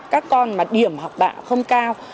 các con mà điểm học bạ không cao